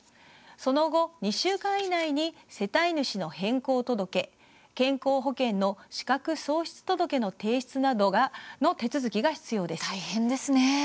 その後、２週間以内に世帯主の変更届、健康保険の資格喪失届の提出などの手続きが必要です。